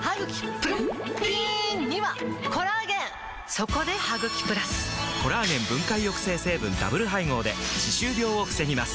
そこで「ハグキプラス」！コラーゲン分解抑制成分ダブル配合で歯周病を防ぎます